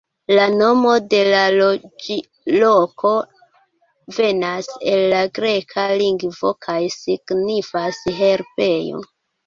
La nomo de la loĝloko venas el la greka lingvo kaj signifas "herbejo".